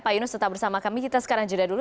pak yunus tetap bersama kami kita sekarang jeda dulu